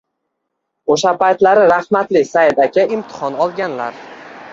Oʻsha paytlari rahmatli Said aka imtihon olganlar.